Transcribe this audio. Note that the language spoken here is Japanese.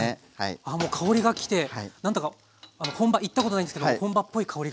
あもう香りがきて何だか本場行ったことないんですけど本場っぽい香りが。